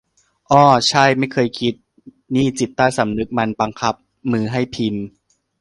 เอ้อ ใช่ ไม่เคยคิด นี่จิตใต้สำนึกมันบังคับมือให้พิมพ์ !